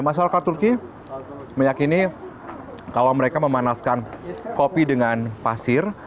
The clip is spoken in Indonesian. masyarakat turki meyakini kalau mereka memanaskan kopi dengan pasir